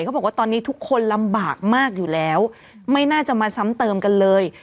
เขาบอกว่าตอนนี้ทุกคนลำบากมากอยู่แล้วไม่น่าจะมาซ้ำเติมกันเลย